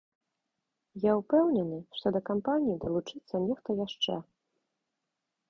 Я ўпэўнены, што да кампаніі далучыцца нехта яшчэ.